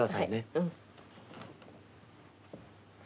うん。